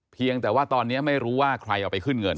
เพียงแต่ว่าตอนนี้ไม่รู้ว่าใครเอาไปขึ้นเงิน